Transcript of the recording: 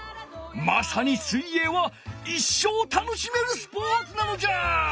まさに水泳は一生楽しめるスポーツなのじゃ！